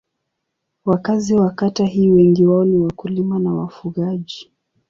Wakazi wa kata hii wengi wao ni wakulima na wafugaji.